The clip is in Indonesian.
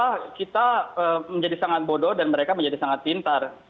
dan itu seolah olah kita menjadi sangat bodoh dan mereka menjadi sangat pintar